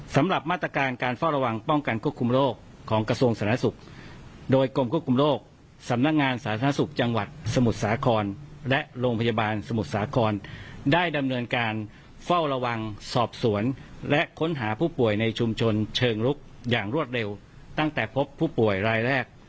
สำหรับมาตรการการเฝ้าระวังป้องกันควบคุมโรคของกระทรวงสาธารณสุขโดยกรมควบคุมโรคสำนักงานสาธารณสุขจังหวัดสมุทรสาครและโรงพยาบาลสมุทรสาครได้ดำเนินการเฝ้าระวังสอบสวนและค้นหาผู้ป่วยในชุมชนเชิงลุกอย่างรวดเร็วตั้งแต่พบผู้ป่วยรายแรก